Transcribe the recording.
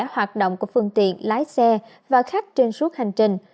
hoạt động của phương tiện lái xe và khách trên suốt hành trình